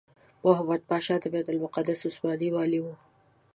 محمد پاشا د بیت المقدس عثماني والي وو.